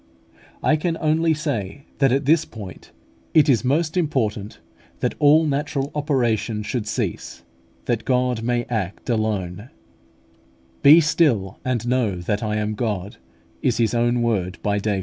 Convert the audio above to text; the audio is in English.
I can only say, that, at this point, it is most important that all natural operation should cease, that God may act alone: "Be still, and know that I am God," is His own word by David (Ps.